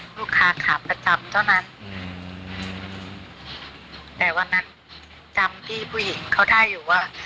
ลูกค้าขาประจำเท่านั้นแต่วันนั้นจำพี่ผู้หญิงเขาได้อยู่ว่า